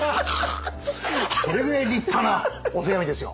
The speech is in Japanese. それぐらい立派なお手紙ですよ。